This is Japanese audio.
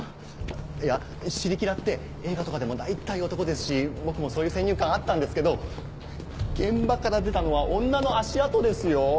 いやシリキラって映画とかでも大体男ですし僕もそういう先入観あったんですけど現場から出たのは女の足跡ですよ？